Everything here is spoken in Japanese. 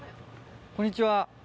こんにちは。